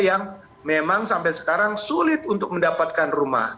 yang memang sampai sekarang sulit untuk mendapatkan rumah